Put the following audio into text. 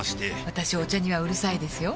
私お茶にはうるさいですよ